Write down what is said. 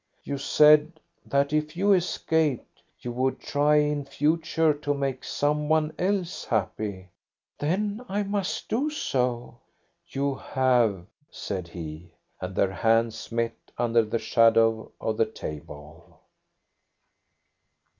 "You said that if you escaped you would try in future to make some one else happy." "Then I must do so." "You have," said he, and their hands met under the shadow of the table.